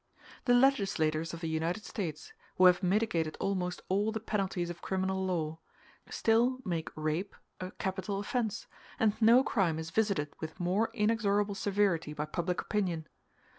The legislators of the United States, who have mitigated almost all the penalties of criminal law, still make rape a capital offence, and no crime is visited with more inexorable severity by public opinion.